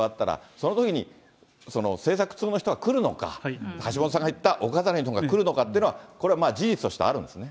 そのときに政策通の人が来るのか、橋下さんが言ったお飾りの人が来るのかっていうのは、これ、事実としてあるんですね。